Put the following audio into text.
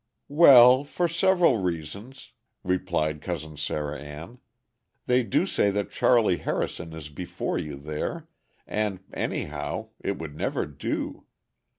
"Well, for several reasons," replied Cousin Sarah Ann: "they do say that Charley Harrison is before you there, and anyhow, it would never do.